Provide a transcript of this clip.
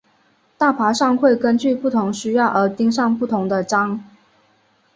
道袍上会根据不同需要而钉上不同的章。